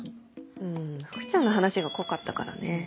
うん福ちゃんの話が濃かったからね。